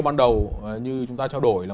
ban đầu như chúng ta trao đổi là